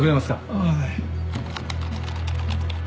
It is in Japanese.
ああはい。